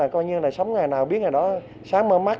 cái nhựa này nhựa pe này hả chú